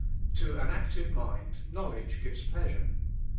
To an active mind knowledge gives pleasure.